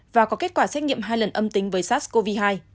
và có kết quả xét nghiệm hai lần âm tính với sars cov hai